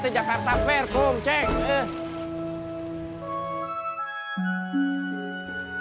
jakarta fair boom cek